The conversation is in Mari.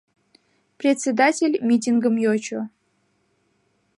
Председатель митингым йочо.